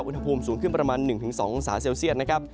อุณหภูมิสูงขึ้นประมาณ๑๒องศาเซลเซียตนะครับ